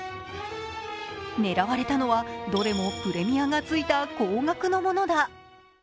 狙われたのは、どれもプレミアがついた高額のものだ。